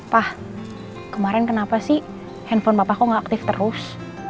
pak kemarin kenapa sih handphone papa aku gak aktif terus